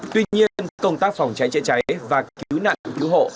tuy nhiên công tác phòng cháy chữa cháy và cứu nạn cứu hộ